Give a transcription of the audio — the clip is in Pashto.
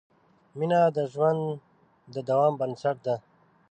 مینه د ژوند د دوام بنسټ ده.